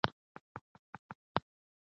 هغه سړی چې راځي، بل دی.